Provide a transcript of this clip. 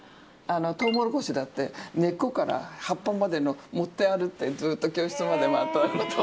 トウモロコシだって根っこから葉っぱまでの持って歩いて、ずっと教室回って歩いた。